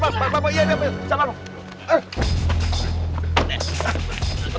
bapak iya iya jangan malu